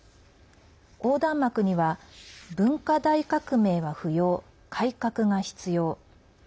横断幕には「文化大革命は不要改革が必要」